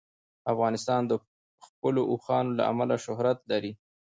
افغانستان د خپلو اوښانو له امله شهرت لري.